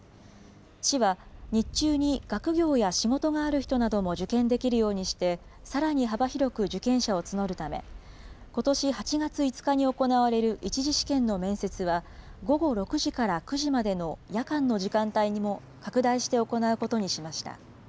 市は、日中に学業や仕事がある人なども受験できるようにして、さらに幅広く受験者を募るため、ことし８月５日に行われる１次試験の面接は、午後６時から９時までの夜間の時間帯も拡大して行うことにしました。